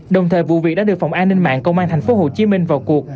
đồng thời vụ việc đã được phòng an ninh mạng công an tp hcm vào cuộc